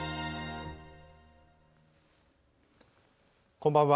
こんばんは。